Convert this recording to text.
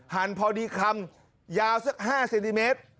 หันพอดีคำยาวสัก๕เซนติเมตร